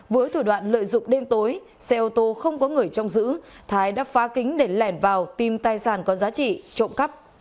với thủ đoạn lợi dụng đêm tối xe ô tô không có người trông giữ thái đã phá kính để lẻn vào tìm tài sản có giá trị trộm cắp